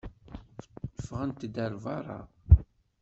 Ffɣet-d ar beṛṛa!